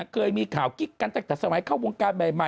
เคยมีข่าวจิ๊กจากสมัยเข้าวงการ